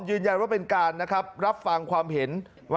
ยืนยันว่าเป็นการรับฟังความเห็น